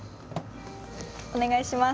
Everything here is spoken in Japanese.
お願いします。